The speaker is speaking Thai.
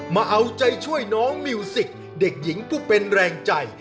มาเอาใจช่วยน้องมิวสิกเด็กหญิงผู้เป็นแรงใจ